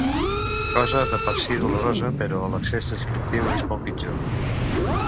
Cosa de per si dolorosa, però l'excés descriptiu és molt pitjor.